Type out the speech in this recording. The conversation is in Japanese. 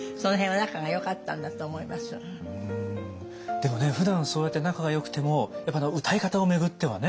でもふだんそうやって仲がよくてもやっぱ歌い方を巡ってはね。